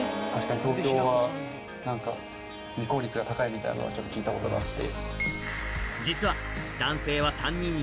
みたいなのをちょっと聞いたことがあって。